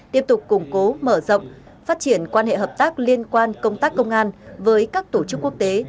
tiếp tục củng cố mở rộng phát triển quan hệ hợp tác liên quan công tác công an với các tổ chức quốc tế